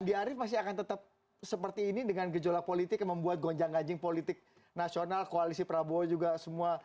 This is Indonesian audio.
andi arief masih akan tetap seperti ini dengan gejolak politik yang membuat gonjang ganjing politik nasional koalisi prabowo juga semua